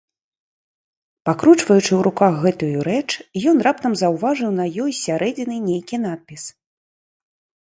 Пакручваючы ў руках гэтую рэч, ён раптам заўважыў на ёй з сярэдзіны нейкі надпіс.